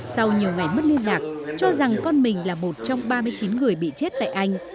sau nhiều ngày mất liên lạc cho rằng con mình là một trong ba mươi chín người bị chết tại anh